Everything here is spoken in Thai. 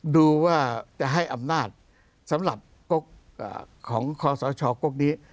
ดูว่าจะให้อำนาจสำหรับของคอสชกกนี้